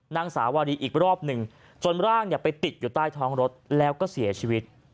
นางสาวารีอีกรอบหนึ่งจนร่างไปติดอยู่ใต้ท้องรถแล้วก็เสียชีวิต